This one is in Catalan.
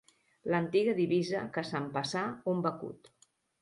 L'antiga divisa que s'empassà un becut.